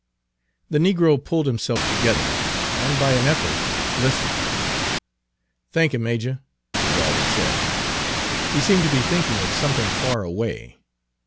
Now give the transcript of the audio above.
The negro pulled himself together, and by an effort listened. "Thanky, Majah," was all he said. He seemed to be thinking of something far away.